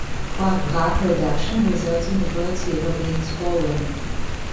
Foie gras production results in the bird's liver being swollen.